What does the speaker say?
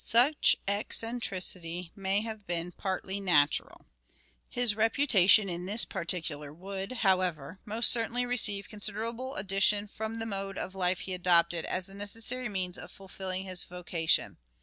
Such eccentricity may have been partly natural. His reputation in this particular would, however, most certainly receive considerable addition from the mode of life he adopted as the necessary means of fulfilling his vocation.